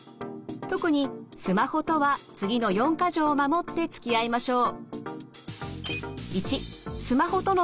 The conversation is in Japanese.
特にスマホとは次の四か条を守ってつきあいましょう。